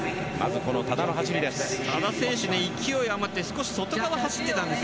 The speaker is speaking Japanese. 多田の走りです。